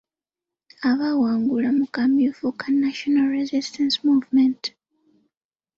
Abaawangulwa mu kamyufu ka National Resistance Movement.